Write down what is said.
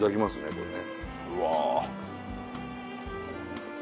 これね。